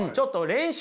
練習？